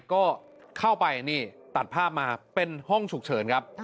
ก็เข้าไปนี่ตัดภาพมาเป็นห้องฉุกเฉินครับ